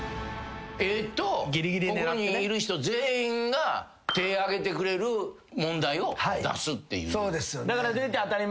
ここにいる人全員が手挙げてくれる問題を出すっていう。